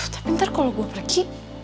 tapi ntar kalo gue pergi